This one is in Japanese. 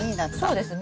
そうです。